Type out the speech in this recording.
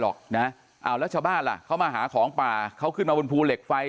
หรอกนะเอารัฐบาลอ่ะเขามาหาของป่าเขาขึ้นมาบนภูเหล็กไฟ